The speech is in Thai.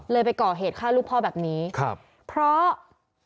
เลยไปก่อเหตุฆ่าลูกพ่อแบบนี้เพราะ